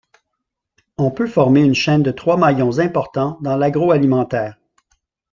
On peut former une chaîne de trois maillons importants dans l'agroalimentaire.